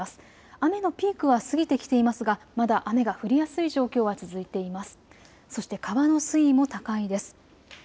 雨のピークは過ぎてきていますがまだ雨が降りやすい状況は続いています。